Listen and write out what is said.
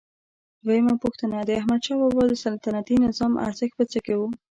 دویمه پوښتنه: د احمدشاه بابا د سلطنتي نظام ارزښت په څه کې و؟